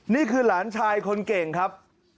นี่คือหลานชายคนเก่งครับ